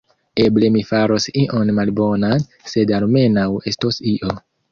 Eble mi faros ion malbonan, sed almenaŭ estos io.